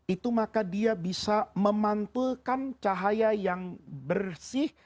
itu maka dia bisa memantulkan cahaya yang bersih